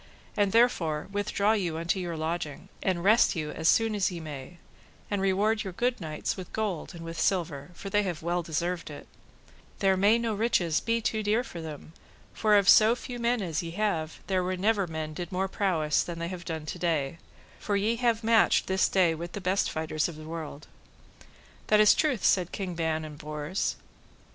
And therefore withdraw you unto your lodging, and rest you as soon as ye may, and reward your good knights with gold and with silver, for they have well deserved it; there may no riches be too dear for them, for of so few men as ye have, there were never men did more of prowess than they have done today, for ye have matched this day with the best fighters of the world. That is truth, said King Ban and Bors.